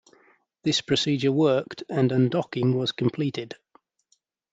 This procedure worked and undocking was completed.